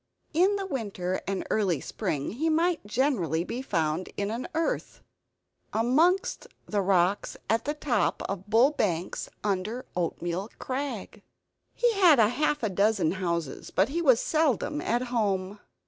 In winter and early spring he might generally be found in an earth amongst the rocks at the top of Bull Banks, under Oatmeal Crag. He had half a dozen houses, but he was seldom at home.